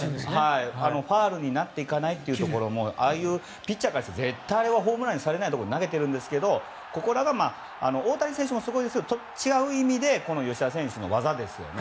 ファウルになっていかないところもああいうピッチャーからすると絶対にホームランにされないところを投げていますがここらが大谷選手もすごいですけど違う意味で吉田選手の技ですね。